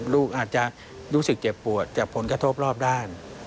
ลูกอาจจะรู้สึกเจ็บปวดจากผลกระทบรอบด้าน